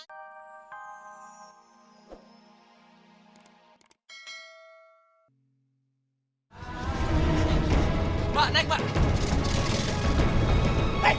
mbak naik mbak